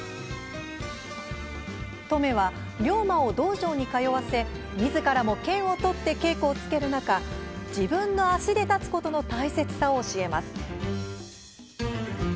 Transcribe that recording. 乙女は龍馬を道場に通わせみずからも剣を取って稽古をつける中自分の足で立つことの大切さを教えます。